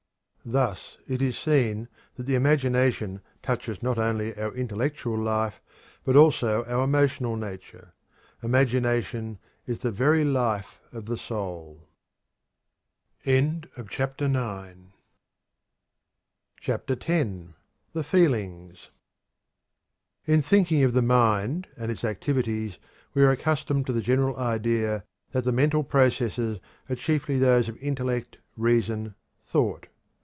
Thus it is seen that the imagination touches not only our intellectual life but also our emotional nature. Imagination is the very life of the soul. CHAPTER X. The Feelings. In thinking of the mind and its activities we are accustomed to the general idea that the mental processes are chiefly those of intellect, reason, thought.